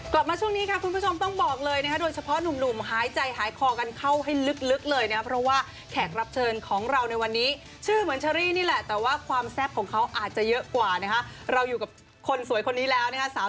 กลับมาช่วงนี้ค่ะคุณผู้ชมต้องบอกเลยนะคะโดยเฉพาะหนุ่มหายใจหายคอกันเข้าให้ลึกเลยนะครับเพราะว่าแขกรับเชิญของเราในวันนี้ชื่อเหมือนเชอรี่นี่แหละแต่ว่าความแซ่บของเขาอาจจะเยอะกว่านะคะเราอยู่กับคนสวยคนนี้แล้วนะคะ